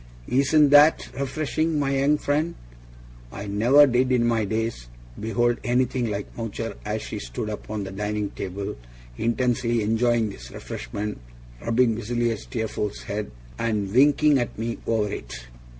Isn't THAT refreshing, my young friend!' I never did in my days behold anything like Mowcher as she stood upon the dining table, intensely enjoying this refreshment, rubbing busily at Steerforth's head, and winking at me over it.